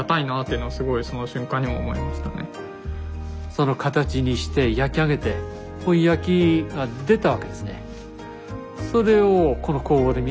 その形にして焼き上げて本焼きが出たわけですね。